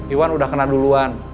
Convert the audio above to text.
iwan udah kena duluan